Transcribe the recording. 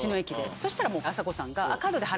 そしたらあさこさんが。